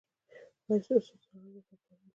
ایا ستاسو استراحت به تلپاتې نه وي؟